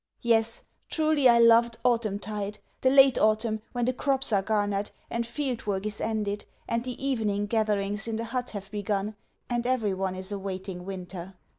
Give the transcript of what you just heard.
Yes, truly I loved autumn tide the late autumn when the crops are garnered, and field work is ended, and the evening gatherings in the huts have begun, and everyone is awaiting winter.